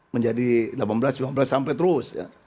menjadi delapan belas sembilan belas sampai terus ya